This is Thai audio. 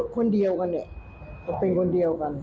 คนเดียวกันเนี่ยก็เป็นคนเดียวกัน